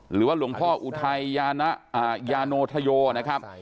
หรือว่าหลวงพ่ออุทัยยาโนธโยนะครับ